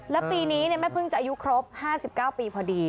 แล้วปีนี้แม่พึ่งจะอายุครบ๕๙ปีพอดี